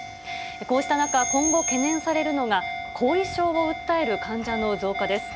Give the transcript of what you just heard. こうした中、今後懸念されるのが後遺症を訴える患者の増加です。